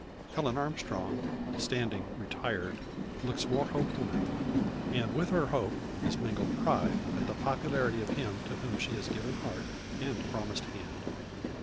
Helen Armstrong, standing retired, looks more hopeful now. And with her hope is mingled pride, at the popularity of him to whom she has given heart, and promised hand.